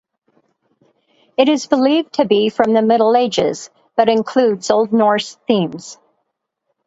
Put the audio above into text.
It is believed to be from the Middle Ages, but includes Old Norse themes.